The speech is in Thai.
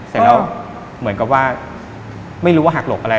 เสร็จแล้วเหมือนกับว่าไม่รู้ว่าหักหลบอะไร